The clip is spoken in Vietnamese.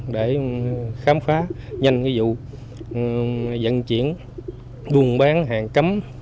để khám phá nhanh cái vụ dẫn chuyển vùng bán hàng cấm